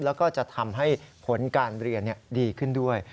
แล้วก็จะทำให้ผลการเรียนดีขึ้นด้วย